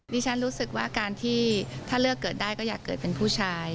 รู้สึกว่าการที่ถ้าเลือกเกิดได้ก็อยากเกิดเป็นผู้ชาย